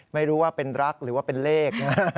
ไม่รู้ว่าเป็นรักหรือว่าเป็นเลข